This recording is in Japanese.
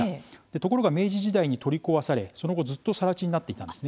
ところが明治時代に取り壊されその後、ずっとさら地になっていたんですね。